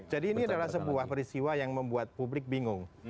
jadi ini adalah sebuah peristiwa yang membuat publik bingung